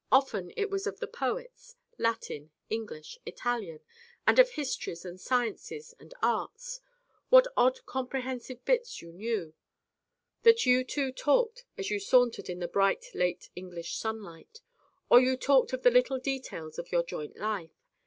Often it was of the poets Latin, English, Italian, and of histories and sciences and arts what odd comprehensive bits you knew that you two talked as you sauntered in the bright late English sunlight. Or you talked of the little details of your joint life.